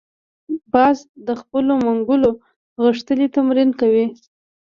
باز د خپلو منګولو غښتلي تمرین کوي